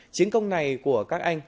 chiến công này của các anh